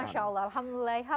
masya allah alhamdulillah